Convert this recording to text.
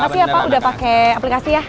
makasih ya pak udah pake aplikasi ya